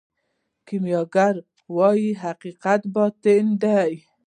کیمیاګر وايي حقیقت باطني دی.